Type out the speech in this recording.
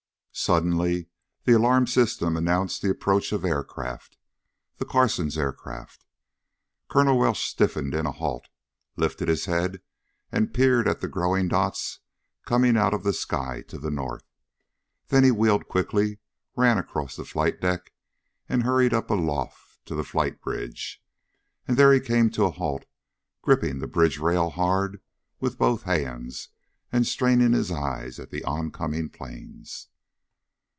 Suddenly the alarm system announced the approach of aircraft, the Carson's aircraft. Colonel Welsh stiffened in a halt, lifted his head and peered at the growing dots coming out of the sky to the north. Then he wheeled quickly, ran across the flight deck and hurried up aloft to the flight bridge. And there he came to a halt, gripping the bridge rail hard with both hands, and straining his eyes at the oncoming planes.